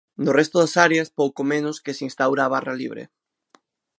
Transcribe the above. No resto das áreas pouco menos que se instaura a barra libre.